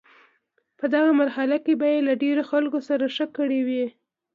په دغه مرحله کې به یې له ډیرو خلکو سره ښه کړي وي.